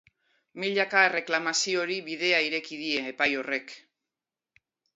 Milaka erreklamaziori bidea ireki die epai horrek.